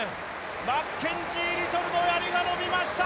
マッケンジー・リトルのやりが伸びました。